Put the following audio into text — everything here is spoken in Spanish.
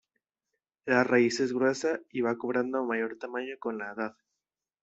La raíz es gruesa, y va cobrando mayor tamaño con la edad.